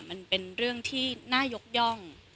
มันเป็นเรื่องที่น่ายกย่อง